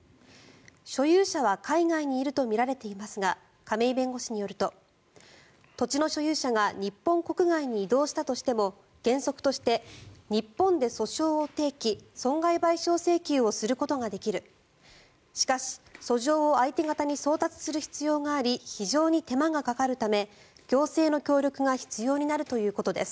所有者は海外にいるとみられていますが亀井弁護士によると土地の所有者が日本国外に移動したとしても原則として日本で訴訟を提起損害賠償請求をすることができるしかし、訴状を相手方に送達する必要があり非常に手間がかかるため行政の協力が必要になるということです。